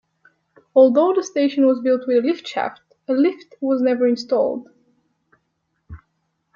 Although the station was built with a lift shaft a lift was never installed.